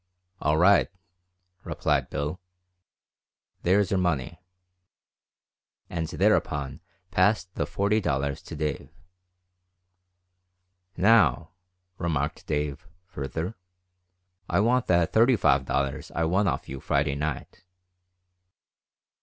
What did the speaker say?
"All right," replied Bill, "there's your money," and thereupon passed the forty dollars to Dave. "Now," remarked Dave, further, "I want that thirty five dollars I won off you Friday night."